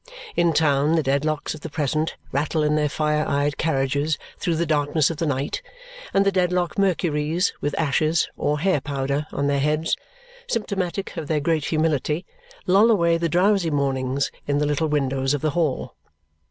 In town the Dedlocks of the present rattle in their fire eyed carriages through the darkness of the night, and the Dedlock Mercuries, with ashes (or hair powder) on their heads, symptomatic of their great humility, loll away the drowsy mornings in the little windows of the hall.